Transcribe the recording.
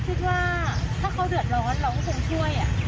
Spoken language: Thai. ตอนแรกคิดว่าถ้าเขาเดือดร้อนเราก็คงช่วยอ่ะอือ